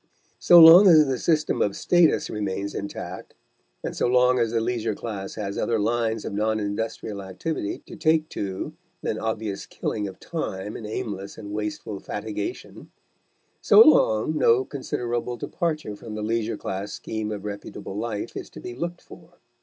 So long as the system of status remains intact, and so long as the leisure class has other lines of non industrial activity to take to than obvious killing of time in aimless and wasteful fatigation, so long no considerable departure from the leisure class scheme of reputable life is to be looked for.